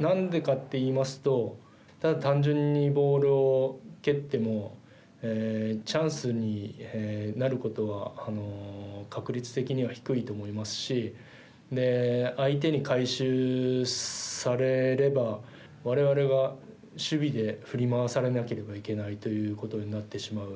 何でかって言いますと、ただ単純にボールを蹴ってもチャンスになることは確率的には低いと思いますし、相手に回収されればわれわれが守備で振り回されなきゃいけないということになってしまう。